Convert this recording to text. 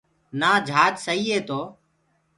نآ جھاج سئٚ تو